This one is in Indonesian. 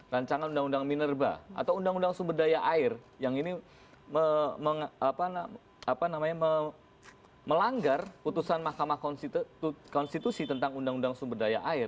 rancangan undang undang minerba atau undang undang sumber daya air yang ini melanggar putusan mahkamah konstitusi tentang undang undang sumber daya air